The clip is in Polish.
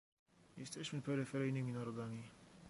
Jesteśmy peryferyjnymi narodami